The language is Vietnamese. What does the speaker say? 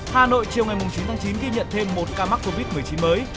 hà nội chiều ngày chín tháng chín ghi nhận thêm một ca mắc covid một mươi chín mới